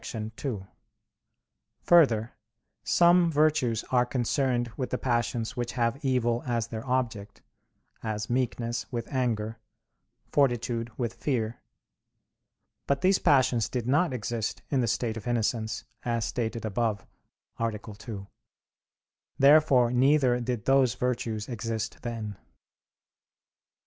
2: Further, some virtues are concerned with the passions which have evil as their object; as meekness with anger; fortitude with fear. But these passions did not exist in the state of innocence, as stated above (A. 2). Therefore neither did those virtues exist then.